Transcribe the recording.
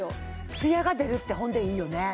ツヤが出るってほんでいいよね